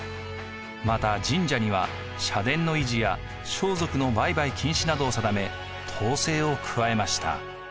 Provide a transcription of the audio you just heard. また神社には社殿の維持や装束の売買禁止などを定め統制を加えました。